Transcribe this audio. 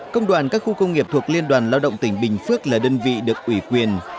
công đoàn các khu công nghiệp thuộc liên đoàn lao động tỉnh bình phước là đơn vị được ủy quyền